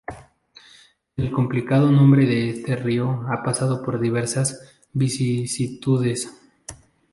El complicado nombre de este río ha pasado por diversas vicisitudes.